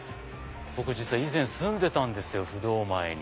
僕実は以前住んでたんですよ不動前に。